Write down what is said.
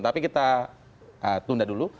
tapi kita tunda dulu